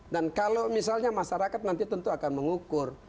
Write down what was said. kalau misalnya masyarakat nanti tentu akan mengukur